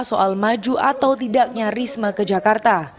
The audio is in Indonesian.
soal maju atau tidaknya risma ke jakarta